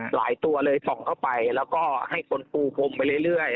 ตัวเลยส่องเข้าไปแล้วก็ให้คนปูพรมไปเรื่อย